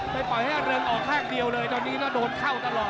ไปปล่อยให้เอาเริ้งออกหลังคักเดียวเลยตอนนี้ที่โดนเข้าตลอดดอ่อน